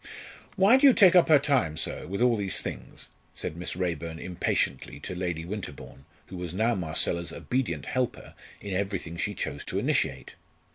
"Why do you take up her time so, with all these things?" said Miss Raeburn impatiently to Lady Winterbourne, who was now Marcella's obedient helper in everything she chose to initiate.